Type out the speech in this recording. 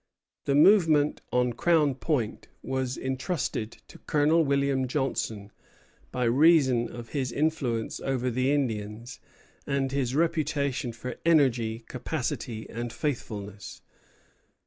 The movement on Crown Point was intrusted to Colonel William Johnson, by reason of his influence over the Indians and his reputation for energy, capacity, and faithfulness.